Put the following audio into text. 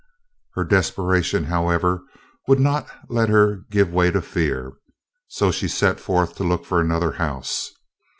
Her desperation, however, would not let her give way to fear, so she set forth to look for another house.